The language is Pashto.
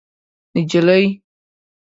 نجلۍ